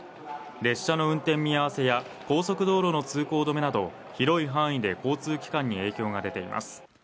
列車の運転見合わせや高速道路の通行止めなど広い範囲で交通機関に影響が出ています